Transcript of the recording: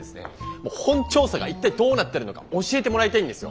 もう本調査が一体どうなってるのかを教えてもらいたいんですよ。